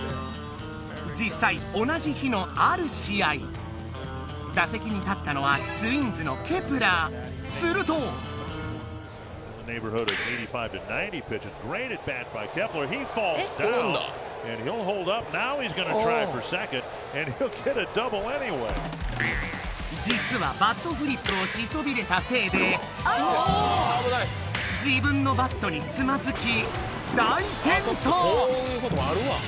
実際同じ日のある試合打席に立ったのはツインズのすると実はバットフリップをしそびれたせいで自分のバットにつまずき